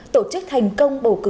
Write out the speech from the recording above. tổ chức thành công bầu cử